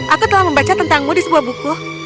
aku telah membaca tentangmu di sebuah buku